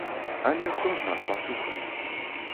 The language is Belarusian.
Але хто ж нас паслухае?